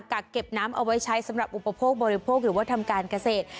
กักเก็บน้ำเอาไว้ใช้สำหรับอุปโภคบริโภคหรือว่าทำการเกษตร